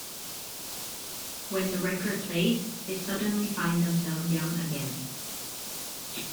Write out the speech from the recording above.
When the record plays, they suddenly find themselves young again!